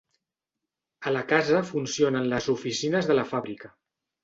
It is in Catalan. A la casa funcionen les oficines de la fàbrica.